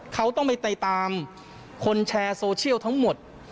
เขาต้องไปตามคนแชร์โซเชียลทั้งหมด